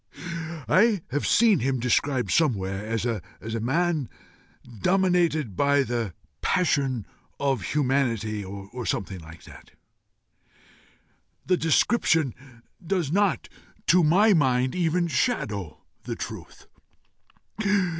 I have seen him described somewhere as a man dominated by the passion of humanity or something like that. The description does not, to my mind, even shadow the truth.